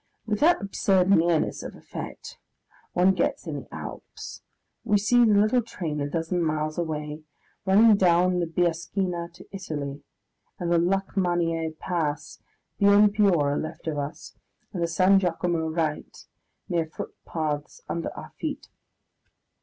With that absurd nearness of effect one gets in the Alps, we see the little train a dozen miles away, running down the Biaschina to Italy, and the Lukmanier Pass beyond Piora left of us, and the San Giacomo right, mere footpaths under our feet....